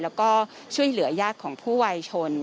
แล้วก็ช่วยเหลือญาติของผู้วัยชน